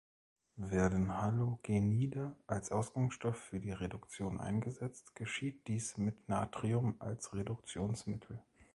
Werden Halogenide als Ausgangsstoff für die Reduktion eingesetzt, geschieht dies mit Natrium als Reduktionsmittel.